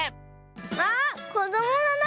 あっこどものな